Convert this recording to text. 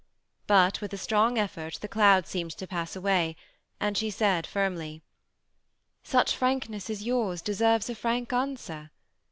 But with a strong effort the cloud seemed to pass away, and she said, firmly, ^^ Such frankness as yours deserves a frank answer.